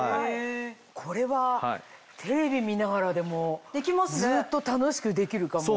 これはテレビ見ながらでもずっと楽しくできるかも。